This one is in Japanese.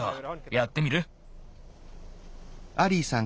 やってみる？